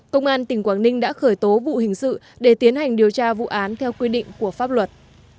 công an tỉnh quảng ninh đã khởi tố vụ hình sự để tiến hành điều tra vụ án theo quy định của pháp luật